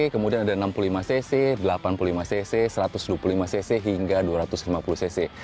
kemudian ada enam puluh lima cc delapan puluh lima cc satu ratus dua puluh lima cc hingga dua ratus lima puluh cc